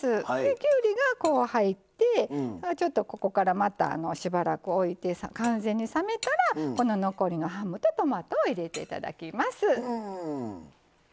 きゅうりがこう入ってここからまたしばらく置いて完全に冷めたら残りのハムとトマトを入れていただきます。